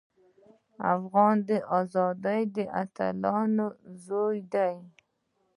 افغان د ازادۍ د اتلانو زوی دی.